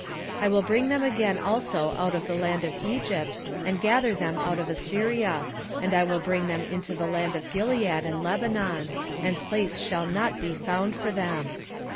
10:10 I will bring them again also out of the land of Egypt, and gather them out of Assyria; and I will bring them into the land of Gilead and Lebanon; and place shall not be found for them.